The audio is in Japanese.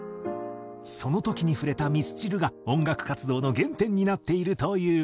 その時に触れたミスチルが音楽活動の原点になっているという。